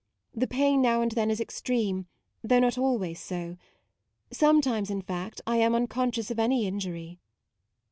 The pain now and then is extreme, though not always so; sometimes, in fact, I am uncon scious of any injury.